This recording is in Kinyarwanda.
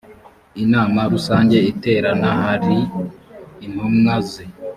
inama rusange iterana hari intumwa ze